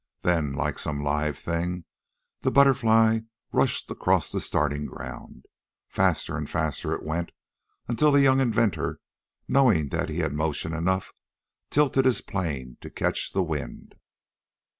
Then, like some live thing, the BUTTERFLY rushed across the starting ground. Faster and faster it went, until the young inventor, knowing that he had motion enough, tilted his planes to catch the wind.